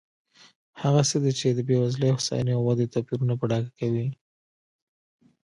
هغه څه دي چې د بېوزلۍ، هوساینې او ودې توپیرونه په ډاګه کوي.